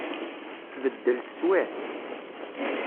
Tbeddel teswiεt.